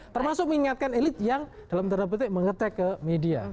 termasuk mengingatkan elit yang dalam tanda petik mengetek ke media